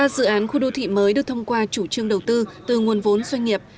ba dự án khu đô thị mới được thông qua chủ trương đầu tư từ nguồn vốn doanh nghiệp